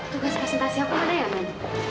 tugas presentasi aku mana ya man